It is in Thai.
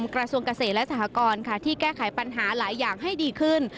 กระทรวงเกษตรและสหกรณ์ที่แก้ไขปัญหาหลายอย่างให้ดีขึ้น